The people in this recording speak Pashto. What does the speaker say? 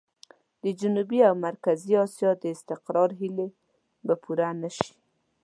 د جنوبي او مرکزي اسيا د استقرار هيلې به پوره نه شي.